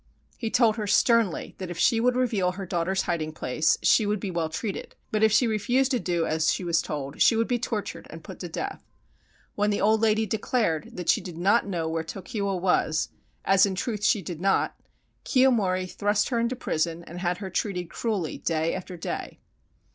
He told her sternly that if she would reveal her daughter's hiding place she should be well treated, but if she refused to do as she was told she would be tortured and put to death. When the old lady declared that she did not know where Tokiwa was, as in truth she did not, Kiyomori thrust her into prison and had her treated cruelly day after day.